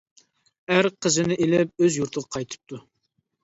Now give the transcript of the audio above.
ئەر قىزىنى ئېلىپ ئۆز يۇرتىغا قايتىپتۇ.